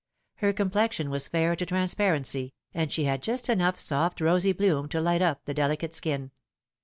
Her complexion was fair to transparency, and she had just enough soft rosy bloom to light up the delicate skin.